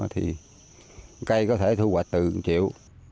thì cây có thể thu hoạch từ một triệu